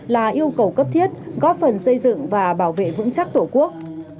là yêu cầu cấp thiết góp phần xây dựng và bảo vệ vững chắc tổ quốc